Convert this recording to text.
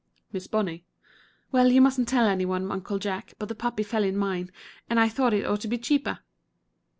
Miss Bonnie: Well, you mustn't tell anybody, Uncle Jack, but the puppy fell in mine and I thought it ought to be cheaper.